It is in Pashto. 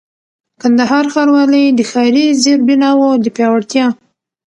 کندهار ښاروالۍ د ښاري زېربناوو د پياوړتيا